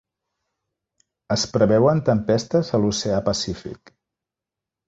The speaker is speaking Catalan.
Es preveuen tempestes a l'oceà Pacífic.